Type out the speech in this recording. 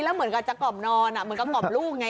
แล้วเหมือนกับจะกล่อมนอนเหมือนกับกล่อมลูกไง